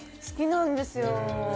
好きなんですよ。